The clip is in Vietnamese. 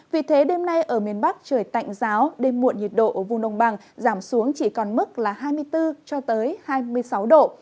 vì thế đêm nay ở miền bắc trời tạnh giáo đêm muộn nhiệt độ ở vùng nông bằng giảm xuống chỉ còn mức là hai mươi bốn cho tới hai mươi sáu độ